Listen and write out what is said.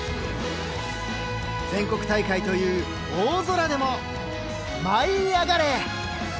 全国大会という大空でも舞いあがれ！